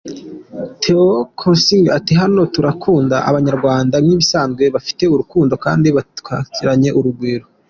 Theo Kgosinkwe ati “Hano turahakunda, Abanyarwanda nk’ibisanzwe bafite urukundo kandi batwakiranye urugwiro.